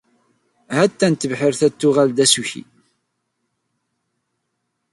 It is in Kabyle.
Attan tebḥirt-a ad tuɣal d asuki.